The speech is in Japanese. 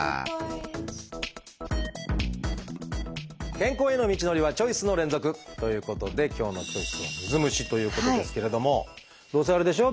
健康への道のりはチョイスの連続！ということで今日の「チョイス」はどうせあれでしょ？